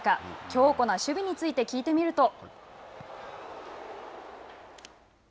強固な守備について聞いてみると。